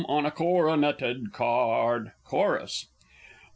on a coronetted card! _Chorus.